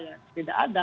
ya tidak ada